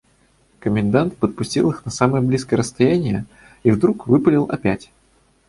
Комендант подпустил их на самое близкое расстояние и вдруг выпалил опять.